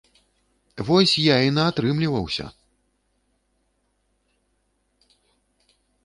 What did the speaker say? Вось, я і наатрымліваўся!